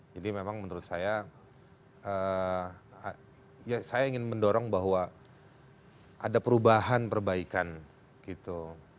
memang menurut saya saya ingin mendorong bahwa ada perubahan perbaikan gitu